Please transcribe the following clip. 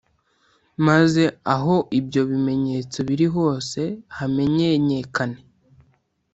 maze aho ibyo bimenyetso biri hose hamenyenyekane